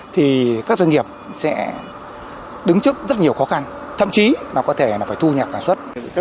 thì các doanh nghiệp sẽ đứng trước rất nhiều khó khăn thậm chí có thể phải thu nhập hàng suất